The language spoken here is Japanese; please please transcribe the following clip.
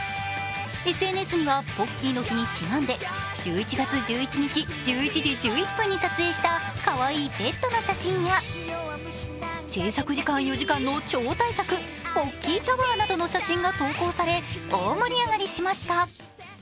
ＳＮＳにはポッキーの日にちなんで１１月１１日１１時１１分に撮影したかわいいペットの写真や制作時間４時間の超大作、ポッキータワーなどの写真が投稿され大盛り上がりしました。